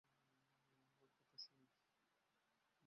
না, আমার কথা শুনুন।